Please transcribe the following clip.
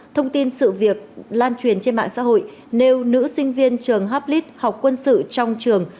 thông tin sự việc lan truyền trên mạng xã hội nêu nữ sinh viên trường hablis học quân sự trong trường